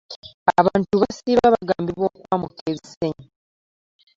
Abantu basiiba bagambibwa okwamuka ebisenyi.